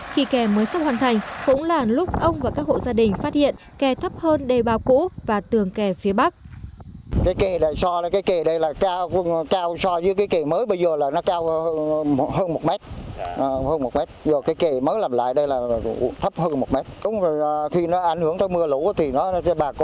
khi kè mới sắp hoàn thành cũng là lúc ông và các hộ gia đình phát hiện kè thấp hơn đề bào cũ và tường kè phía bắc